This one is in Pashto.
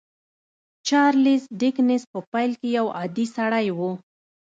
چارليس ډيکنز په پيل کې يو عادي سړی و.